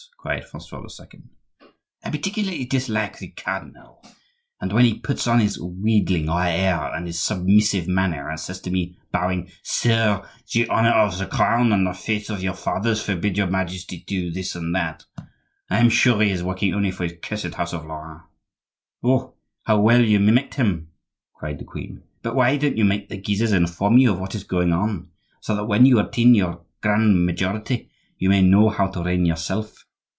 cried Francois II. "I particularly dislike the cardinal; and when he puts on his wheedling air and his submissive manner and says to me, bowing: 'Sire, the honor of the crown and the faith of your fathers forbid your Majesty to—this and that,' I am sure he is working only for his cursed house of Lorraine." "Oh, how well you mimicked him!" cried the queen. "But why don't you make the Guises inform you of what is going on, so that when you attain your grand majority you may know how to reign yourself?